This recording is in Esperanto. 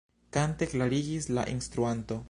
Kante klarigis la instruanto.